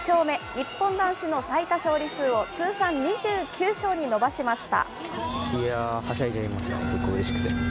日本男子の最多勝利数を通算２９勝に伸ばしました。